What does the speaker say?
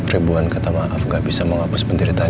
ribuan kata maaf gak bisa menghapus pendirian tanda